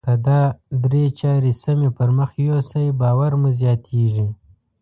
که دا درې چارې سمې پر مخ يوسئ باور مو زیاتیږي.